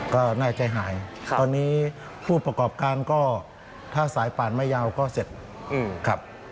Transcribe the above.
ก็น่าใจหายตอนนี้ผู้ประกอบการก็ถ้าสายป่านไม่ยาวก็เสร็จครับ